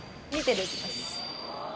でいきます